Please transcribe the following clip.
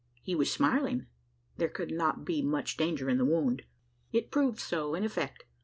He was smiling: there could not be much danger in the wound? It proved so in effect.